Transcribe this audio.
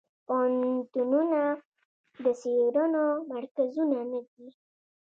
پوهنتونونه د څیړنو مرکزونه دي.